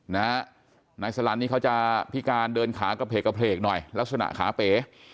นายสลันนี่เขาจะพิการเดินขากระเพลกกระเพลกหน่อยลักษณะขาเป๋